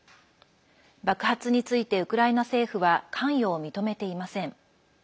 爆発についてウクライナ政府は関与を認めていません。